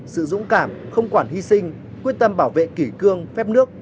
sự dũng cảm không quản hy sinh quyết tâm bảo vệ kỷ cương phép nước